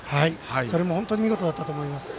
それも本当に見事だったと思います。